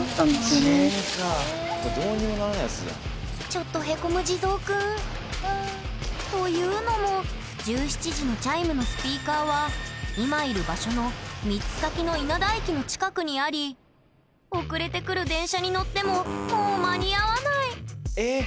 ちょっとヘコむ地蔵くん。というのも１７時のチャイムのスピーカーは今いる場所の３つ先の稲田駅の近くにあり遅れてくる電車に乗ってももう間に合わないえっ！